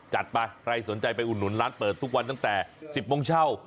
จัดไปใครสนใจไปอุดหนุนร้านเปิดทุกวันตั้งแต่๑๐โมงเช่า